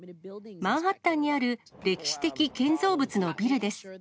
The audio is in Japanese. マンハッタンにある歴史的建造物のビルです。